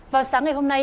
vào sáng ngày hôm nay